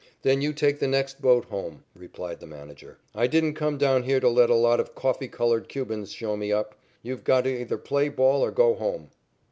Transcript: "Then you take the next boat home," replied the manager. "I didn't come down here to let a lot of coffee colored Cubans show me up. You've got to either play ball or go home."